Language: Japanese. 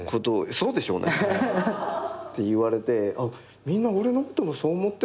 「そうでしょうね」？って言われてみんな俺のこともそう思ってんだと思って。